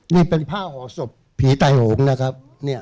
นี่เป็นผ้าห่อคงต่อพีทายห่วงนะครับ